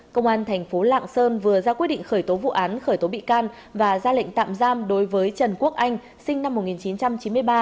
công an thành phố lạng sơn vừa ra quyết định khởi tố vụ án khởi tố bị can và ra lệnh tạm giam đối với trần quốc anh sinh năm một nghìn chín trăm chín mươi ba